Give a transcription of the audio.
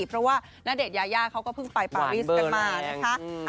เพราะว่านเดชน์ยาเขาก็เพิ่งไปประวิษฐ์กันมากนะคะ